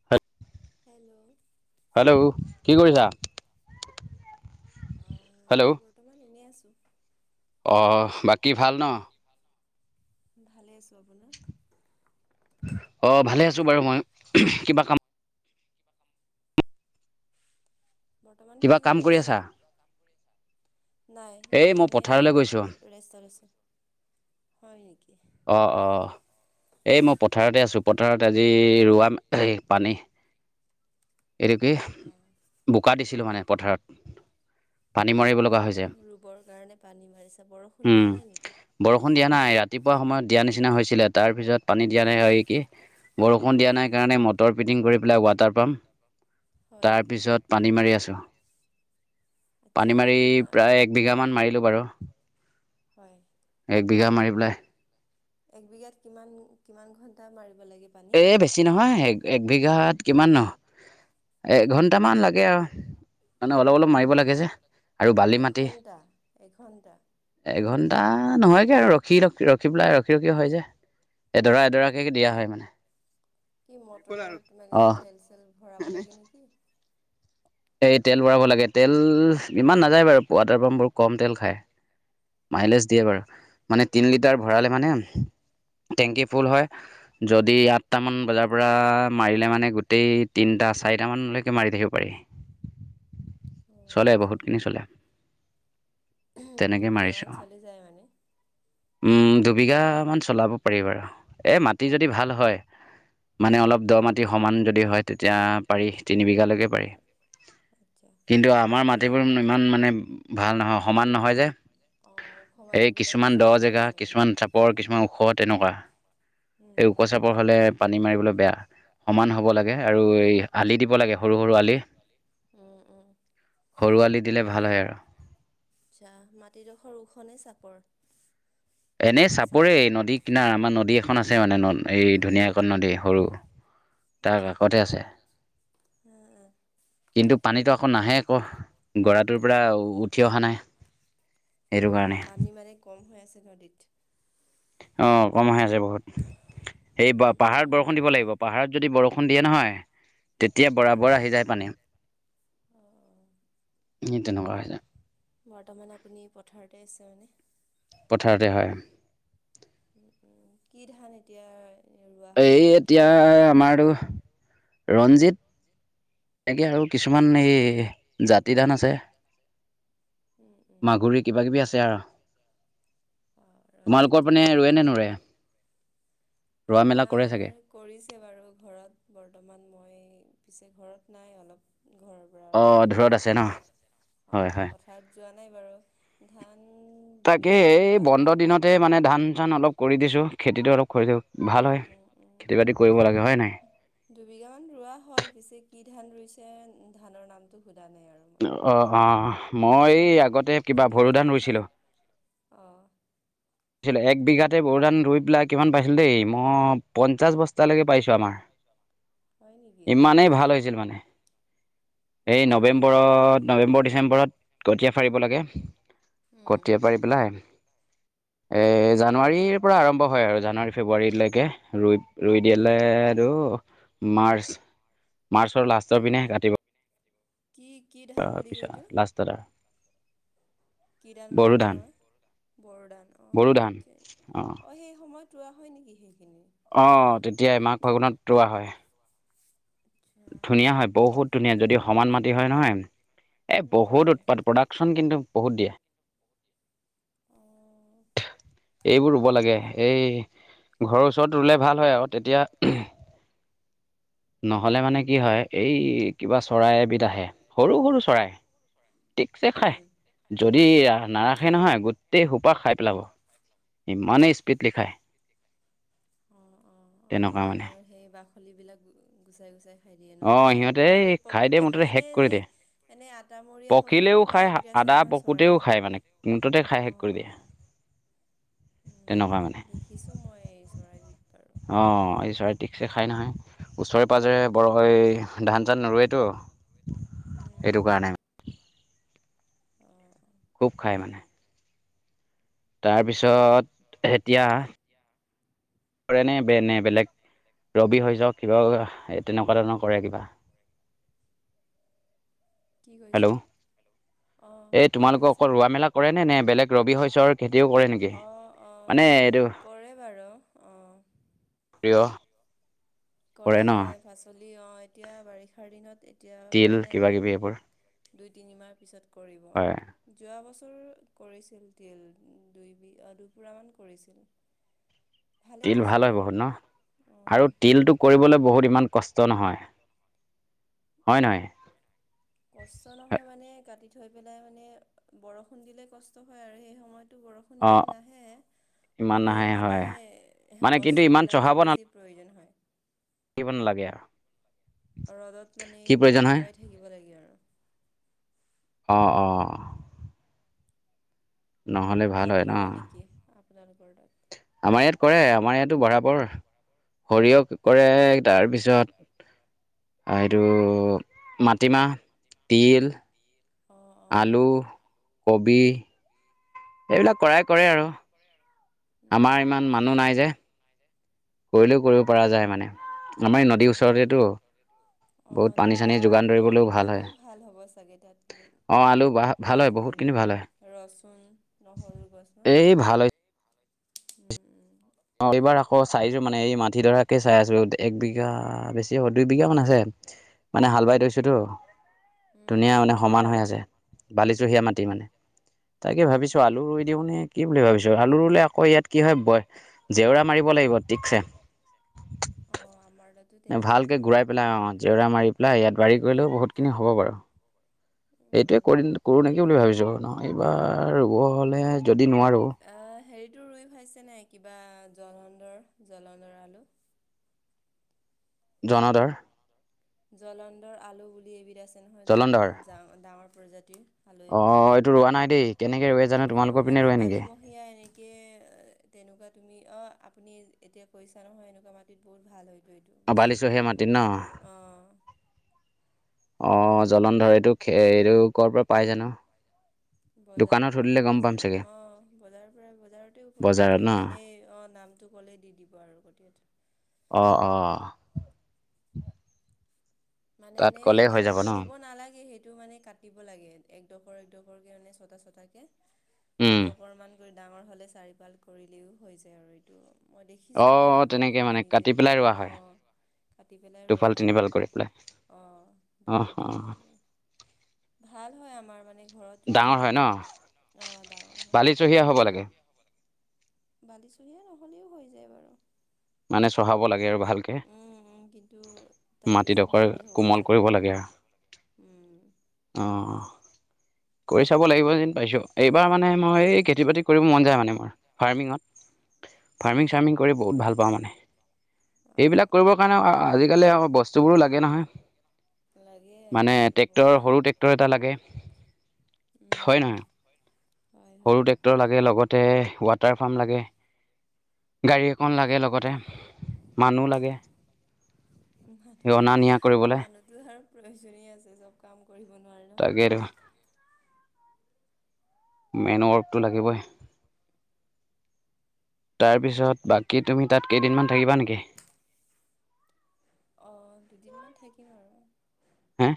[unintelligible] Hello. Hello, কি কৰিছা? অ, হেল্ল' এতিয়া বৰ্তমান এনেই আছোঁ। অ, বাকী ভাল ন? বাকী ভাল ন? ভালে আছো। আপোনাৰ? অঁ, ভালে আছোঁ বাৰু মইও। কিবা কাম বৰ্তমান কিবা কি কাম কৰি আছে? আছা? নাই এই এতিয়া মই এনেই পথাৰলৈ অলপ গৈছোঁ। ৰেষ্ট লৈ লৈছোঁ। হয় নেকি? অ অ এই মই পথাৰতে আছোঁ। পথাৰত আজি ৰোৱা পানী এইটো কি অ বোকা দিছিলোঁ মানে পথাৰত। পানী মাৰিব অ লগা হৈছে। ৰুবৰ কাৰণে পানী মাৰিছা, বৰষুণ উম, দিয়া নাই নেকি? বৰষুণ দিয়া নাই, ৰাতিপুৱা সময়ত দিয়া নিচিনা হৈছিলে তাৰ পিছত পানী দিয়া নাই এই কি বৰষুণ দিয়া নাই কাৰণে মটৰ পিটিং কৰি পেলাই ৱাটাৰ পাম্প হয় তাৰ পিছত পানী মাৰি আছোঁ। আচ্ছা পানী মাৰি কিমান প্ৰায় এক বিঘ মান মাৰিলো বাৰু। হয় এক বিঘা মাৰি পেলাই একবিঘাত কিমান কিমান ঘন্টা মাৰিব লাগি এই বেছি নহয় এক এক বিঘাত কিমাননো, এঘণ্টামান লাগে আৰু। মানে অলপ অলপ বা মাৰিব লাগে যে আৰু বালি মাটি এঘণ্টা এঘণ্টা এঘন্টা নহয় সেয়া আৰু ৰখি ৰখি ৰখি পেলাই ৰখি ৰখি হয় যে, এডৰা এডৰাকে দিয়া হয় মানে। কি মটৰত মানে অ তেল-চেল ভৰাব লাগে নেকি? এই তেল ভৰাব লাগে তেল ইমান নাযায় বাৰু ৱাটাৰ পাম্প বোৰ কম তেল খায়। মাইলেজ দিয়ে বাৰু মানে তিনি অ লিটাৰ ভৰালে মানে টেংকী ফুল হয়। যদি আঠটামান বজাৰ পৰা মাৰিলে মানে গোটেই তিনিটা-চাৰিটামানলৈকে মাৰি থাকিব পাৰি। অ চলে আচ্ছা বহুতখিনি চলে। উম তেনেকৈ দুবিঘামান মাৰিছোঁ চলি যায় মানে। উম দুবিঘামান চলাব পাৰি বাৰু, এই মাটি যদি ভাল হয় মানে অলপ দ মাটি সমান যদি হয়। তেতিয়া পাৰি তিনি বিঘালৈকে পাৰি। আচ্ছা কিন্তু আমাৰ এনে মাটিবোৰ ইমান মানে ভাল নহয়, সমান নহয় যে। অ ওখ মাট এই বিলাক কিছুমান বছি দ নোৱাৰি জেগা, চাগে ন? কিছুমান চাপৰ, কিছুমান ওখ, তেনেকুৱাঁ। উম এই উম উম। ওখচাপৰ হ'লে পানী মাৰিবলৈ বেয়া সমান হ'ব লাগে আৰু এই আলি দিব লাগে সৰু সৰু আলি, উম উম সৰু আলি দিলে ভাল হয় আৰু। আচ্ছা মাটিডোখৰ ওখনে চাপৰ? এনে চা চাপৰে নদী কিনাৰ, আমাৰ নদী এখন আছে মানে এই ধুনীয়াঁ এখন নদী সৰু। তাৰ কষতে আছে। অ অ। কিন্তু পানীটো আকৌ নাহে আকৌ গৰাটোৰ পৰা উঠি অহা নাই। সেইটো অ কাৰনে। পানী মানে কম হৈ আছে নদীত। অ কম হৈ আছে বহুত। সেই উম পাহাৰত উম। বৰষুণ দিব লাগিব। পাহাৰত যদি বৰষুণ দিয়ে নহয় তেতিয়া হয় বৰাবৰ আহি যায় পানী। অ সি তেনেকুৱা হৈছে। বৰ্তমান আপুনি পথাৰতে আছে মানে। পথাৰতে হয়। উ, উ, কি ধান এতিয়া? ৰোৱা এই হয়নো কি এতিয়া ধান দিলে আমাৰ আৰু ৰঞ্জিত। এনেকে আৰু কিছুমান এই জাতি ধান আছে, মাগুৰী কিবা কিবি আছে আৰু, অ' তোমালোকৰ ৰঞ্জিতে পিনে ৰোৱে নে নুৰুয়ে? আমাৰ কৰিছে বাৰু ঘৰত, বৰ্তমান মই পিছে ঘৰত নাই অলপ ঘৰ পৰা অ' অলপমান ধূৰত দূৰত আছে ন থাকোঁ। হয় অ', হয় পথাৰত যোৱা নাই বাৰু ধান দুবিঘামান ৰুৱা হ'ল। তাতে মানে ধান-চান অলপ কৰি দিছোঁ। খেতিটো অলপ কৰি দিওঁ ভাল উম হয়, উম খেতি-বাতি কৰিব লাগে হয় নাই? দুবিঘা মান ৰোৱা হ'ল। পিছে কি ধান ৰুইছে ধানৰ নামটো সোধা নাই আৰু। মই অ', অ', মই হুম, আগতে কিবা বৰো ধান ৰুইছিলোঁ। অ'। কিন্তু এক বিঘাতে বৰু ধান ৰুই পেলাই কিমান পাইছিলো দেই মই পঞ্চাশ বস্তা লৈকে পাইছোঁ আমাৰ, হয় নেকি ইমানেই ভাল হৈছিল মানে। এই আচ্ছা নৱেম্বৰৰ নৱেম্বৰ, ডিচেম্বৰত কঠীয়া পাৰিব লাগে। উম। পেলাই এ জানুৱাৰীৰ পৰা আৰম্ভ হয় আৰু, জানুৱাৰী ফেব্ৰুৱাৰীলৈকে ৰুই ৰুই দিলে উম তুৰ মাৰ্চ, মাৰ্চৰ লাষ্টৰ পিনে কাটিব কি কি [unintelligible] তাৰ এইটো পিছত লাষ্টত আৰু। কি ধান বুলি কোৱা হ'য়, বৰোধান' অ', বড়ো ধান অঁ অ', সেই সময়ত [unintelligible] হয় নেকি সেইখিনি। অ', তেতিয় মাঘ ফগুনত ৰুৱা হয়। আচ্ছা ধুনীয়া হয় বহুত ধুনীয়াঁ, যদি সমান মাটি হয়, নহয় এ উম উম বহুত বাত প্ৰডাকশ্যন কিন্তু বহুত দিয়ে। অঁ এইবোৰ ৰুব লাগে, এই ঘৰৰ ওচৰত ৰুলে ভাল হয়, আৰু তেতিয়া নহ'লে মানে কি হয়, এই কিবা চৰাই এবিধ আহে, সৰু সৰু চৰাই ঠিক চে খায়। উম যদি নাৰাখে নহয়, গোটেই সোপা খাই পেলাব। ইমানে স্পিডলি খায়। অ', অ', অ', তেনেকুৱা মানে ধানৰ সেই বাখলি বিলাক গুচাই গুচাই খাই দিয়ে অ ন' তাৰ সিহঁতে হেৰি দিয়ে পকুতে মুঠতে খাই শেষ নে, কৰি নে দিয়ে এনে আটামৰিয়া হওতেও পকিলেও খুৱা খায় এবিধ আছে আদা নহয় পকোতেও চৰাই? খায় মানে মুঠতে খাই শেষ অ', কৰি অ'। [inaudible] তেনেকুৱা মানে দেখিছো মই চৰাইবিধ বাৰু। অ', এই চৰাই ঠিকছে খাই নহয় ওচৰে পাঁজৰে বৰ উম। হৈ ধান চান নৰুৱেতো। উম, এইটো উম, কাৰণে। অ'। খুব খায় মানে। তাৰপিছত এতিয়া এতিয়া কৰে নে বে নে বেলেগ ৰবি হৈ যাওক কিবা এ তেনেকুৱা ধৰণৰ কৰে কিবা? কি কৈছে? হেল্ল' অ', এই কি তোমালোকৰ কৈছে, অকল ৰোৱা মেলা কৰেনে নে বেলেগ ৰবি শস্যৰ খেতিও কৰে নেকি অ' মানে অ' এইটো কৰে বাৰু, অ'। প্ৰিয় কৰে পাচলি, অ', এতিয়া বাৰিষাৰ দিনত এতিয়া তিল হোৱা নাই কিবা কিবি এইবোৰ আৰু। দুই-তিনিমাহ পিছত কৰিব। হয় যোৱা বছৰো কৰিছিল তিল, দুইবি-দুপোৰা মান কৰিছিল। ভালেই তিল ভাল হৈছিল হয় বাৰু বহুত ন, অ আৰু তিলটোক কৰিবলৈ বহুত ইমান কষ্ট নহয়, হয় নহয়? কষ্ট নহয় মানে কাটি থৈ পেলাই মানে বৰষুণ দিলে কষ্ট হয় আৰু সেই সময়ত টো বৰষুণ অঁ ইমান নাহে, ইমান হ'লেও নাহে মানে হয় মানে কিন্তু ইমান বস্তুবিলাকৰ বেছি প্ৰয়োজন হয়। কিব নালাগে অ' ৰ'দত মানে হয় শুক-শুকুৱাই থাকিব লাগে আৰু। অ' অ'। নহ'লে ভাল তাত হয় ন কৰে নেকি, আপোনালোকৰ তাত? আমাৰ ইয়াত কৰে, আমাৰ ইয়াতো বৰাবৰ। সৰিয়হ কৰে, তাৰপিছত আৰু এইটো মাটিমাহ, তিল অঁ অঁ আলু, কবি, এইবিলাক কৰাই কৰে আৰু। কৰে আৰু আমাৰ ইমান মানুহ নাই যে। কৰিলেও কৰিব পৰা কৰা যায় যায় মানে, আমাৰ এই নদীৰ উম উম, ওচৰতেতো নদীৰ ওচৰতেতো, বহুত অ' তেত পানী চানী এতিয়া যোগান ধৰিবলৈও ভাল আলু-আলু হয় ভাল হ'ব চাগে তাত, অঁ আলু বা ভাল হয় প্ৰায় বহুতখিনি আলু ভাল হয় ৰচুন, নহৰু গছ ন, এই ভাল হৈছে উম উম। অ' এইবাৰ আকৌ চাইছোঁ মানে এই মাটিডৰাকে চাই আছোঁ, এক বিঘা বেছি হ'ব দুই বিঘা মান আছে। মানে হাল বাই থৈছ ছোঁতো, উম ধুনীয়া উম মানে সমান হৈ আছে, বালিচহীয়া মাটি মানে। তাকে ভাবিছোঁ, অঁ আলু ৰুই দিওঁ নে, কি বুলি ভাবিছোঁ, আলু ৰুলে আকৌ ইয়াত কি হয় বয় জেওৰা মাৰিব লাগিব ঠিকছে। অ', আমাৰ তাত ভালকৈ ঘূৰাই পেলাই অ', জেওৰা মাৰি পেলাই ইয়াত বাৰী কৰিলেও বহুতখিনি হ'ব বাৰু। উম এইটোৱে উম কৰি-কৰোঁ নেকি বুলি ভাবিছোঁ, নহয় এইবাৰ ৰুব হ'লে যদি নোৱাৰোঁ এ হেৰিটো ৰুই খাইছে নাই, কিবা জলন্ধৰ-জলন্ধৰ আলু? জনধৰ জলন্ধৰ আলু বুলি এবিধ আছে নহয়, জলন্ধৰ জা-জা-ডাঙৰ প্ৰজাতি। অ', এইটো ৰোৱা নাই দেই, কেনেকৈ ৰোৱে জানো, তোমালোকৰ পিনে ৰোৱে নেকি? সেয়া এনেকে, তেনেকুৱা তুমি অ'-আপুনি এতিয়া কৈছা নহয় এনেকুৱা মাটিত বহুত ভাল হয় অ' বালিচহীয়া মাটিত ন? অ'। অ', জলন্ধৰ, এইটো খে-এইটো ক'ৰ পৰা পাই জানো। বজাৰৰ দোকানত পৰাই সুধিলে পোৱা গম পাম যায়, চাগে অ', বজাৰৰ পৰা-বজাৰতে উপলব্ধ বজাৰত ন থাকে, এনেই অ' নামটো ক'লে দি দিব আৰু কঠীয়াটো। অ' অ'। মানে তাত এনেই ক'লেই হৈ যাব এটাকে ন ৰুব নালাগে, সেইটো মানে কাট দিব লাগে, একডোখৰ একডোখৰ কে মানে ছটা-ছটাকে, উম দুডখৰ মান ডাঙৰ হ'লে চাৰিফাল কৰিলেও হৈ যায় আৰু মই অ দেখিছোঁ ঘৰত তেনেকে মানে মই নিজে কাটি পেলাই ৰোৱা হয় অ' কাটি পেলাই ৰোৱা দুফাল হয় তিনিফাল মানে কৰি এইটো পেলাই অ অ দুপাৰ অ তিনিবাৰ ৰুৱে ভাল হয় আমাৰ মানে ঘৰত ৰুই ডাঙৰ হয় ন থাকিটো অ ডাঙৰ হয় বালিচহীয়া হ'ব লাগে বালিচহীয়া হব নেকি? বালিচহীয়া নহ'লেও হৈ যায় বাৰু। মানে চহাব লাগে আৰু ভালকে উম উম কিন্তু তাত বেছি মাটিডোখৰ ভালেই হ'ব কোমল চাগে কৰিব উ লাগে আৰু উম অ' অ' কৰি চাব লাগিব যেন পাইছো এইবাৰ মানে মই এই খেতি বাতি কৰিব মন যায় মানে মোৰ কৰিব ফাৰ্মিঙত মন ফাৰ্মিং যায় চাৰ্মিং মানে কৰি বহুত ভাল পাওঁ মানে। অ এইবিলাক কৰিবৰ কাৰণে এইবিলাক কৰিব আজিকালি কাৰণে আকৌ আজিকালি বস্তুবোৰো অ লাগে নহয় বস্তুবোৰো লাগে নহয় লাগে মানে আজিকালি ট্ৰেক্টৰ বহুত মানে সৰু ট্ৰেক্টৰ টেক্টৰ এটা সৰু লাগে টেক্টৰ এটা লাগে হয় উম হয় হয়। এ লগতে ৱাটাৰ পাম্প লাগে। গাড়ী এখন লাগে লগতে মানুহ লাগে। অনা নিয়া মানুহ কৰিবলৈ মানুহটো আৰু প্ৰয়োজনীয় আছে চব কাম কৰিব নোৱাৰে নহয় তাকেতো অকলে। মেন ৱৰ্কটো লাগিবই তাৰপিছত বাক কি তুমি তাত কেইদিনমান থাকিবা নেকি। অঁ দুদিনমান থাকিম আৰু হে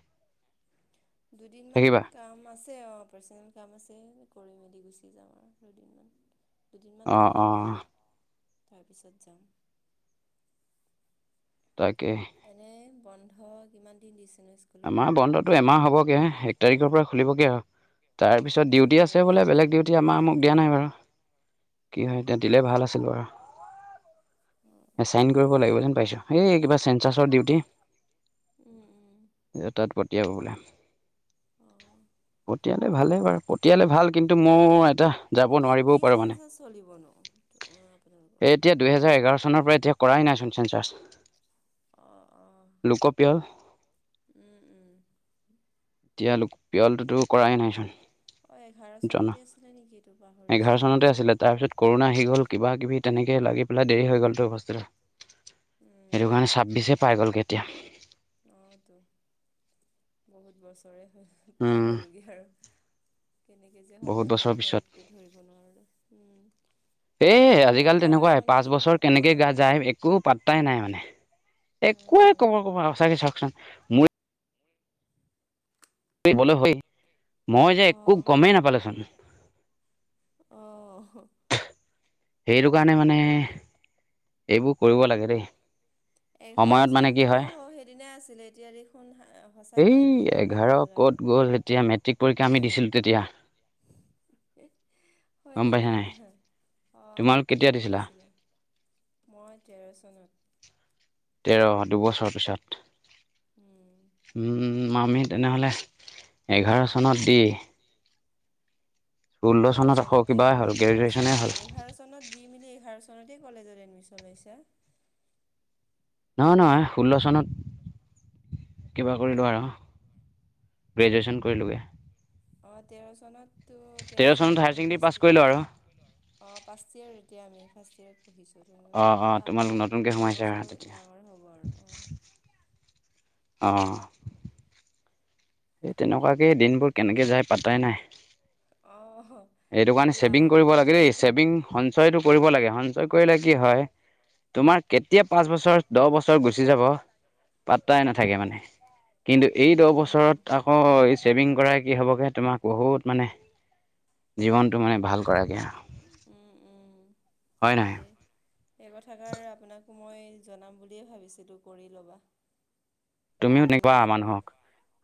দুদিনমান থাকিবা কাম আছে অ পাৰ্চনেল কাম আছে কৰি মেলি গুচি যাম আৰু দুদিনমান। দুদিনমান অঁ থাকি লওঁ অঁ তাৰপিছত যাম। তাকে। এনে বন্ধ কিমান দিন দিছে ন স্কু আমাৰ বন্ধটো এমাহ হ'বগে এক তাৰিখৰ পৰা খুলিবগে আৰু। তাৰপিছত অ', ডিউটি আছে বোলে ডাইৰেক্ট বেলেগ ট্ৰেক ডিউটি আমাৰ মোক দিয়া নাই বাৰু। কি হয় উম, এতিয়া দিলে উম। ভাল আছিল বাৰু। অ', এচাইন কৰিব লাগিব যেন পাইছো এই কিবা চেঞ্চাছৰ ডিউটি। উম উম ইয়া তাত পঠিয়াব বোলে অ'। পঠিয়ালে ভালে বাৰু পঠিয়ালে ভাল কিন্তু মোৰ এটা যাব এতিয়া নোৱাৰিবও কি পাৰোঁ মানে চেঞ্চাছ চলিব নো অ এই আপোনালোকৰ? এতিয়া দুহেজাৰ এঘাৰ চনৰ পৰা এতিয়া কৰাই নাইচোন চেঞ্চাছ। অ অ লোকপিয়ল উম উম এতিয়া লোক পিয়লটোতো কৰাই নাইচোন অ', এঘাৰ জনা চনতে আছিলে নেকি এইটো এঘাৰ পাহৰিছোঁ আৰু। চনতে আছিলে তাৰপিছত কৰোণা আহি গ'ল কিবা কিবি তেনেকে লাগি পেলাই দেৰি হৈ গ'লতো টো বস্তুটো। সেইটো কাৰণে উম, ছাব্বিশে পাই গ'ল এতিয়া। অ তো বহুত বছৰে হ'ল। পাৰ উম, হ'লগে আৰু কেনেকে যে বহুত সময় বছৰৰ পাৰ হয় পিছত একো ধৰিব নোৱাৰোঁ। উম এ আজিকালি এঘাৰ তেনেকুৱাই, পাঁচ চনটোতো বছৰ কেনেকে গা অ'। যায় একো পাত্তাই নাই মানে, একোৱে উম। কব ক'বা সঁচাকৈ চাওকচোন মই কৰিবলৈ হয় মই যে [unintelligible] অ একো মইযে গমেই একো নাপালোচোন গমেই নাপালোঁ অ। সেইটো কাৰণে মানে এইবো কৰিব লাগে দেই, সময়ত মানে কি হয় দিনে আছিলে এতিয়া দেখোন [unintelligible] সঁচাকে এই এতিয়া কিমান এঘাৰ হল আৰু। ক'ত গ'ল এতিয়া মেট্ৰিক পৰীক্ষা আমি দিছিলোঁ তেতিয়া হয় গম পাইছা নেকি, নাই অ তোমালোক মেট্ৰিক কেতিয়া ৰিজাল্ট দিছিলা দিছিলে। মই তেৰ চনত। তেৰ দুবছৰৰ পিছত। উম। উম উম মামী তেনেহ'লে এঘাৰ চনত দি [unintelligible] ষোল্ল তেৰ চনত আকৌ চনতে কিবা আমি হ'ল পাছ গ্ৰেজুৱেশ্যনেই কৰি হ'ল এঘাৰ চনত দি মেলি এঘাৰ চনতে কলেজত এডমিশন লৈছা? নহয় নহয় ষোল্ল চনত কিবা কৰিলো আৰু। গ্ৰেজুৱেশ্যন কৰিলগে। অ তেৰ চনততো তেৰ চনত হায়াৰ আমি ছেকেণ্ডেৰী পাছ ফাৰ্ষ্ট কৰিলোঁ আৰু ইয়াৰ। অ ফাৰ্ষ্ট ইয়েৰ এতিয়া আমি ফাৰ্ষ্ট অঁ ইয়েৰ। অঁ [unintelligible] তোমালোক আপোনালোক নতুনকৈ দু সোমাইছা দুবছৰ তেতিয়া ডাঙৰে হ'ব আৰু অঁ। অ। এই তেনেকুৱাকে দিনবোৰ কেনেকে যায় পাতাই নাই। অ হ। এইটো কাৰণে চেভিং কৰিব লাগে দেই, ছেভিং সঞ্চয়টো কৰিব লাগে সঞ্চয় কৰিলে কি হয় তোমাৰ কেতিয়া পাঁচ বছৰ, দহ বছৰ গুচি যাব পাত্তাই নাথাকে মানে। কিন্তু এই উম দহ উম বছৰত আকৌ এই চেভিং কৰাই কি হবগে তোমাক বহুত মানে জীৱনটো মানে ভাল কৰাগে। উম উম হয় দেই, এই কথাষাৰে আপোনাক মই জনাম বুলিয়ে ভাবিছিলোঁ কৰি ল'বা। তুমিও তেনেকুৱা নতুনকৈ আকৌ মানুহক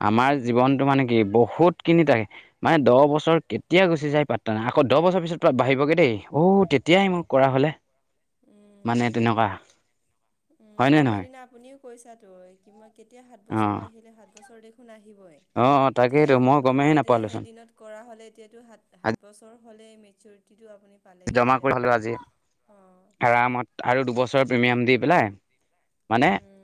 আমাৰ উম জীৱনটো উম মানে কি বহুত কিনিটাই, মানে দহ বছৰ কেতিয়া গুচি যায় পাতা নাই আকৌ দহ বছৰ পিছত ভাবিবগে দেই। অ তেতিয়াই মই কৰা হলে। উম। মানে উম তেনেকুৱা। উম হয় নে সৌ নহয় সেইদিনা আপুনিও কৈছা তো কিম কেতিয়া সাত অ বছৰ আহিলে সাত বছৰ দে আহিবই অ এতিয়া তাকেইতো মই গমেই তেতিয়া সেই নাপালোচোন দিনত কৰা হ'লে এতিয়াটো সাত আজি সাত বছৰ হ'লে মেচুৰিটিটো আপুনি পালেগে জমা কৰি হেঁতেন হ'লেও আজি আৰু অ। আৰামত আৰু দুবছৰ প্ৰিমিয়াম দি পেলাই, মানে উম